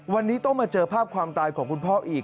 วันนี้ต้องมาเจอภาพความตายของคุณพ่ออีก